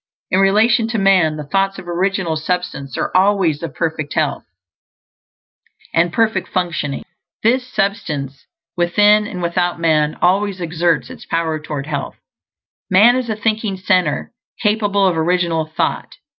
In relation to man, the thoughts of Original Substance are always of perfect health and perfect functioning. This Substance, within and without man, always exerts its power toward health._ _Man is a thinking center, capable of original thought.